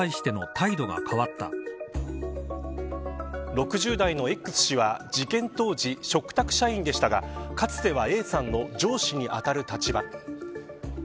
６０代のＸ氏は事件当時、嘱託社員でしたがかつてはＡさんの上司に当たる立場。